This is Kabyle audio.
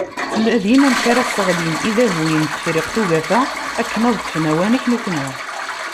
Ttnadin amek ara seɣlin idabuyen n Tefriqt n Ugafa akken ad ṭfen awanek nutni.